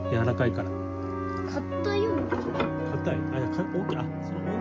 かたいよ。